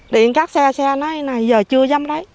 đến các xe xe nói giờ chưa dám lấy